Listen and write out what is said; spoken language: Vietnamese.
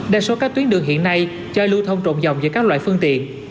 đa số các tuyến đường hiện nay chơi lưu thông trộm dòng giữa các loại phương tiện